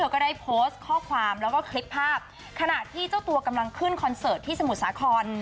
ก็ได้โพสต์ข้อความแล้วก็คลิปภาพขณะที่เจ้าตัวกำลังขึ้นคอนเสิร์ตที่สมุทรสาคร